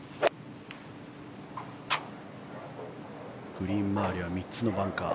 グリーン周りは３つのバンカー。